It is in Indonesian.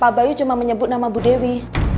pak bayu cuma menyebut nama bu dewi